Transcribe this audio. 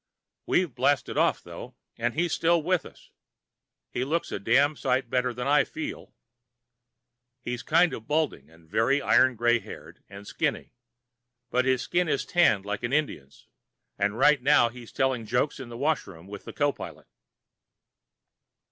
We've blasted off, though, and he's still with us. He looks a damn sight better than I feel. He's kind of balding, and very iron gray haired and skinny, but his skin is tan as an Indian's, and right now he's telling jokes in the washroom with the co pilot.